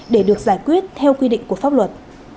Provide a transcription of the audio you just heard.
để được giải quyết theo quy định của pháp luật